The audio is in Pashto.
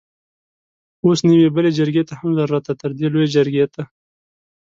اوس نو يوې بلې جرګې ته هم ضرورت دی؛ تردې لويې جرګې ته!